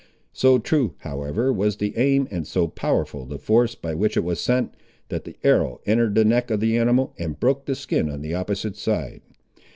So true, however, was the aim, and so powerful the force by which it was sent, that the arrow entered the neck of the animal, and broke the skin on the opposite side.